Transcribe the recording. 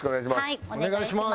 はいお願いします。